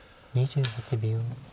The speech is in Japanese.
２８秒。